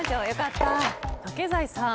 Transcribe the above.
竹財さん。